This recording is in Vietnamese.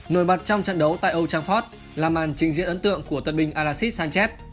nổi bật trong trận đấu tại old trafford là màn trình diễn ấn tượng của tân binh alassid sanchez